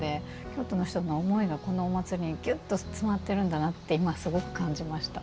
京都の人の思いがこのお祭りに、ぎゅっと詰まってるんだなって感じました。